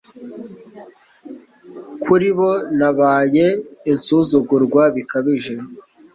Kuri bo nabaye insuzugurwa bikabije